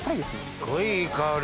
すっごいいい香り。